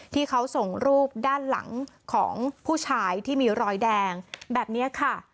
ที่เขาส่งรูปด้านหลังของผู้ชายที่มีรอยแดงแบบนี้ค่ะ